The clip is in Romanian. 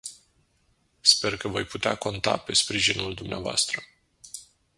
Sper că voi putea conta pe sprijinul dumneavoastră.